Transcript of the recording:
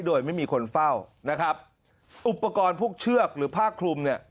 โดยไม่มีคนเฝ้านะครับอุปกรณ์พวกเชือกหรือผ้าคลุมเนี่ย